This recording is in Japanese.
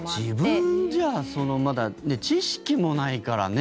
自分じゃ知識もないからね。